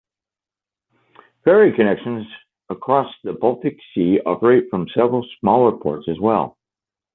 Ferry connections across the Baltic Sea operate from several smaller ports as well.